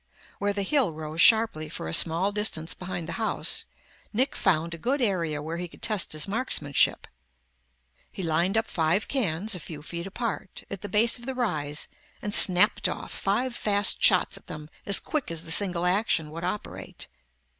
Where the hill rose sharply for a small distance behind the house, Nick found a good area where he could test his marksmanship. He lined up five cans, a few feet apart, at the base of the rise and snapped off five fast shots at them as quick as the single action would operate.